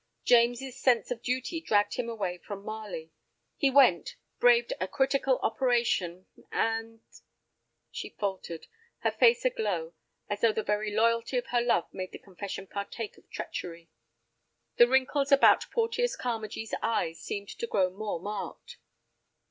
James's sense of duty dragged him away from Marley. He went, braved a critical operation, and—" She faltered, her face aglow, as though the very loyalty of her love made the confession partake of treachery. The wrinkles about Porteus Carmagee's eyes seemed to grow more marked.